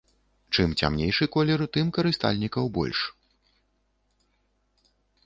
Чым цямнейшы колер, тым карыстальнікаў больш.